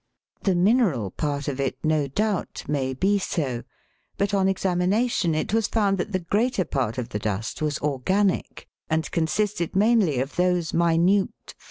The mineral part of it, no doubt, may be so ; but on examination it was found that the greater part of the dust was or ganic, and consisted mainly of those minute, Fig.